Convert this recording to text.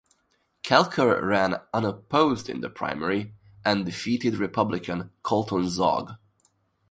Kelker ran unopposed in the primary and defeated Republican Colton Zaugg.